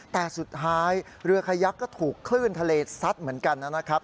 แต่สุดท้ายเรือขยักก็ถูกคลื่นทะเลซัดเหมือนกันนะครับ